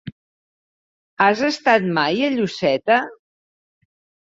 Has estat mai a Lloseta?